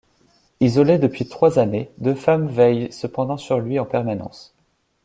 Isolé depuis trois années, deux femmes veillent cependant sur lui en permanence.